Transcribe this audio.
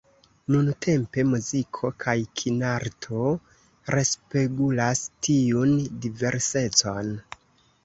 Nuntempe muziko kaj kinarto respegulas tiun diversecon.